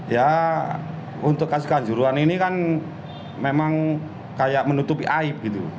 ya untuk kasus kanjuruan ini kan memang kayak menutupi aib gitu